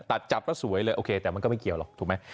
จับจับแล้วสวยเลยโอเคแต่มันก็ไม่เกี่ยวหรอกถูกไหม